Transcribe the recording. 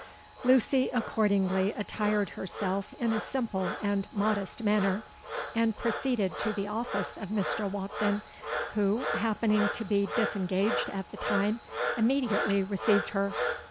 '—Lucy accordingly attired herself in a simple and modest manner, and proceeded to the office of Mr. Walkden, who, happening to be disengaged at the time, immediately received her.